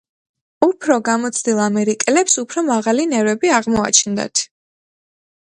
უფრო გამოცდილ ამერიკელებს უფრო მაგარი ნერვები აღმოაჩნდათ.